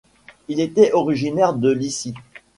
Il était originaire de Lycie.